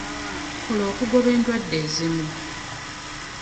Kola okugoba endwadde ezimu.